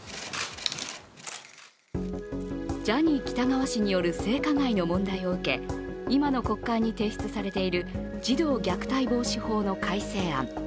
ジャニー喜多川氏による性加害の問題を受け、今の国会に提出されている児童虐待防止法の改正案。